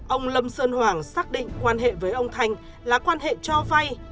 ông lâm sơn hoàng xác định quan hệ với ông thanh là quan hệ cho vay